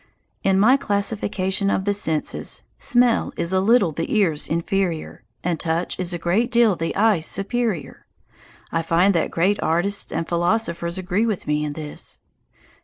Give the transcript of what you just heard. In my classification of the senses, smell is a little the ear's inferior, and touch is a great deal the eye's superior. I find that great artists and philosophers agree with me in this.